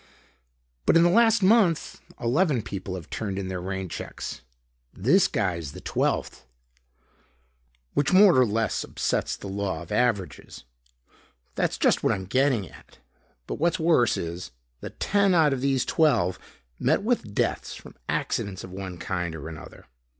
"But in the last month, eleven people have turned in their rain checks. This guy's the twelfth." "Which more or less upsets the law of averages." "That's just what I'm getting at. But what's worse, is that ten out of these twelve met with deaths from accidents of one kind or another."